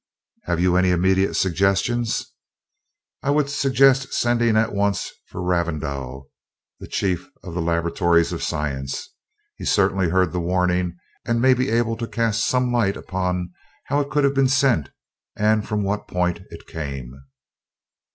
"Have you any immediate suggestions?" "I would suggest sending at once for Ravindau, the Chief of the Laboratories of Science. He certainly heard the warning, and may be able to cast some light upon how it could have been sent, and from what point it came."